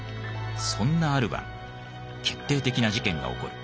そんなある晩決定的な事件が起こる。